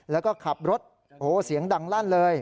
แล้วก็ขับรถโอ้โหเสียงดังลั่นเลย